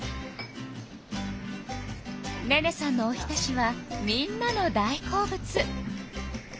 寧々さんのおひたしはみんなの大好物。